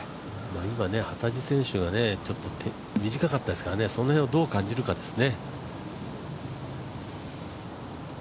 今、幡地選手が短かったですからね、その辺をどう感じるかですね。